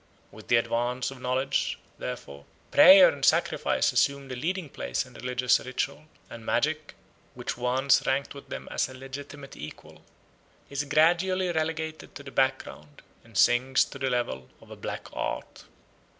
With the advance of knowledge, therefore, prayer and sacrifice assume the leading place in religious ritual; and magic, which once ranked with them as a legitimate equal, is gradually relegated to the background and sinks to the level of a black art.